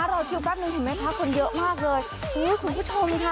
รอคิวแป๊บนึงเห็นไหมคะคนเยอะมากเลยอุ้ยคุณผู้ชมค่ะ